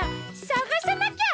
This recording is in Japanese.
さがさなきゃ！